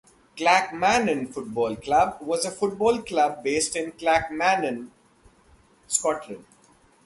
Clackmannan Football Club was a football club based in Clackmannan, Scotland.